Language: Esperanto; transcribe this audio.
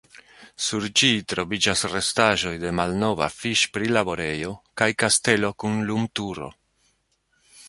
Sur ĝi troviĝas restaĵoj de malnova fiŝ-prilaborejo kaj kastelo kun lumturo.